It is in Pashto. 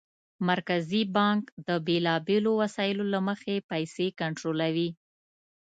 مرکزي بانک د بېلابېلو وسایلو له مخې پیسې کنټرولوي.